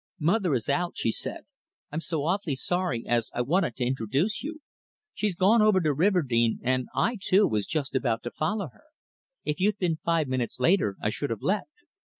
"Mother is out," she said. "I'm so awfully sorry, as I wanted to introduce you. She's gone over to Riverdene, and I, too, was just about to follow her. If you'd been five minutes later I should have left."